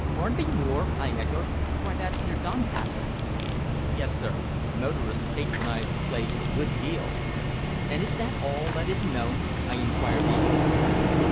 "Barnby Moor!" I echoed. "Why, that's near Doncaster." "Yes, sir. Motorists patronize the place a good deal." "And is that all that is known?" I inquired eagerly.